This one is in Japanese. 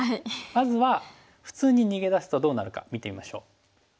まずは普通に逃げ出すとどうなるか見てみましょう。